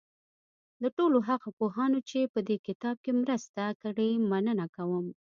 له ټولو هغو پوهانو چې په دې کتاب کې مرسته کړې مننه کوم.